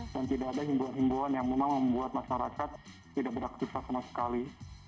dan tidak ada himbuan himbuan yang membuat masyarakat tidak beraktif sama sekali